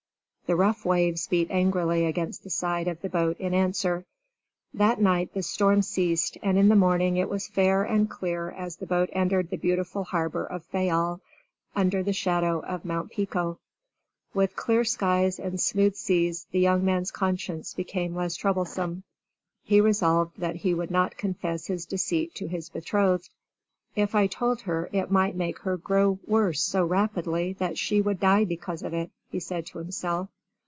The rough waves beat angrily against the side of the boat in answer. That night the storm ceased and in the morning it was fair and clear as the boat entered the beautiful harbor of Fayal under the shadow of Mt. Pico. With clear skies and smooth seas the young man's conscience became less troublesome. He resolved that he would not confess his deceit to his betrothed. "If I told her it might make her grow worse so rapidly that she would die because of it," he said to himself.